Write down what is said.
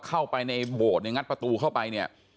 เข้าไปในโบสถ์เนี่ยงัดประตูเข้าไปเนี่ย